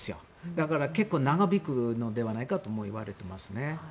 だから結構長引くのではないかともいわれてますね。